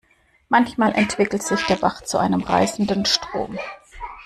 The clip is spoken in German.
Manchmal entwickelt sich der Bach zu einem reißenden Strom.